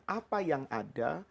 apa yang ada